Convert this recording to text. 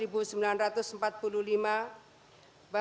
bapak ibu saya bapak ibu saya